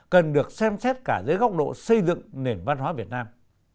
cần được xem xét cả dưới góc độ xây dựng nền văn hóa việt nam